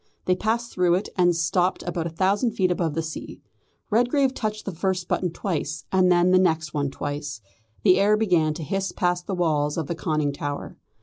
They passed through it, and stopped about a thousand feet above the sea. Redgrave touched the first button twice, and then the next one twice. The air began to hiss past the walls of the conning tower.